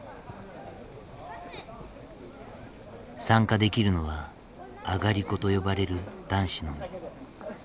参加できるのは上り子と呼ばれる男子のみ。